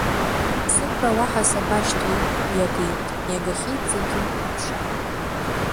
Сықәра уаҳа сабашьҭуеи, иагеит, иагахьеит зегь аԥша.